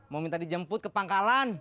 mau minta dijemput ke pangkalan